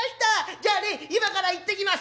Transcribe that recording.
じゃあね今から行ってきます！」。